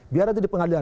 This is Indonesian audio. biar itu di pengadilan